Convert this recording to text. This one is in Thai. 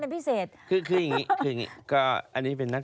เป็นพิเศษคือคืออย่างงี้คืออย่างงี้ก็อันนี้เป็นนัก